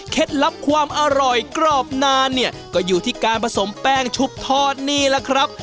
เข็ดลับความอร่อยกรอบนานก็อยู่ที่การผสมแป้งชุบทอดนี่ล่ะครับ